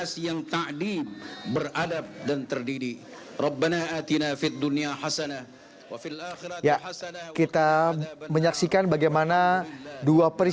silakan pak kiai